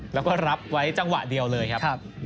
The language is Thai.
แล้วก็รับไว้จังหวะเดียวเลยครับ